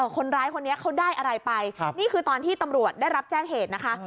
คนร้ายคนนี้เขาได้อะไรไปนี่คือตอนที่ตำรวจได้รับแจ้งเหตุนะคะ